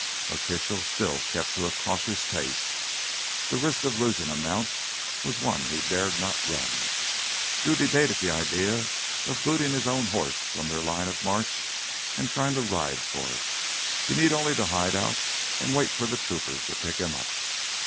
But Kitchell still kept to a cautious pace. The risk of losing a mount was one he dared not run. Drew debated the idea of booting his own horse from their line of march and trying to ride for it. He need only hide out and wait for the troopers to pick him up.